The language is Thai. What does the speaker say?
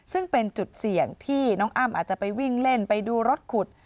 ซึ่งเป็นจุดเสี่ยงที่น้องอ้ำอาจจะไปวิ่งเล่นไปดูรถขุด